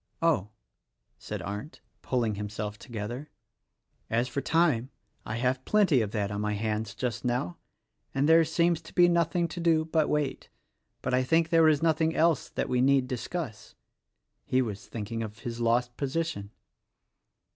"Oh," said Arndt, pulling himself together, "as for time, I have plenty of that on my hands just now — and there seems to be nothing to do but wait; but I think there is nothing else that we need discuss." He was thinking of his lost position.